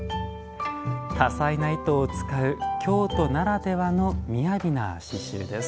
多彩な糸を使う京都ならではの雅な刺繍です。